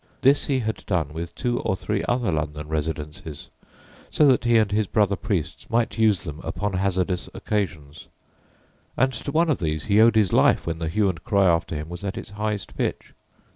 This he had done with two or three other London residences, so that he and his brother priests might use them upon hazardous occasions; and to one of these he owed his life when the hue and cry after him was at its highest pitch.